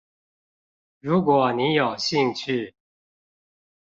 如果你有興趣